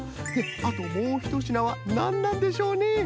あともうひとしなはなんなんでしょうね。